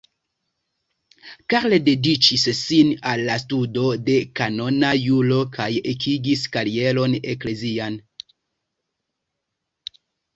Karl dediĉis sin al la studo de kanona juro kaj ekigis karieron eklezian.